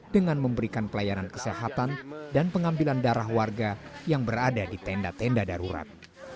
dengan memberikan pelayanan kesehatan dan pengambilan darah warga yang berada di tenda tenda darurat